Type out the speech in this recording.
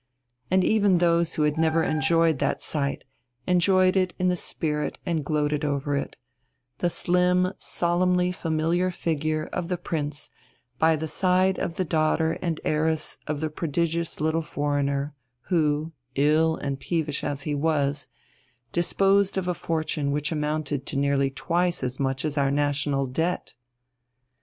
And even those who had never enjoyed that sight enjoyed it in the spirit and gloated over it: the slim, solemnly familiar figure of the Prince by the side of the daughter and heiress of the prodigious little foreigner, who, ill and peevish as he was, disposed of a fortune which amounted to nearly twice as much as our national debt!